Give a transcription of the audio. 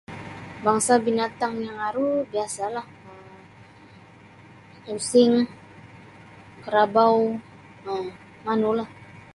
Bangsa' binatang yang aru biasa'lah um using karabau um manulah.